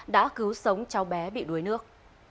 đã cứu sống cháu bé bị đuối nước